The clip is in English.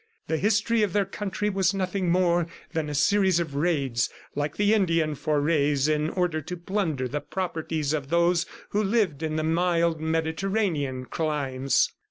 The history of their country was nothing more than a series of raids like the Indian forays, in order to plunder the property of those who lived in the mild Mediterranean climes.